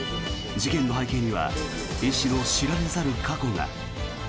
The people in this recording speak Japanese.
事件の背景には医師の知られざる過去が。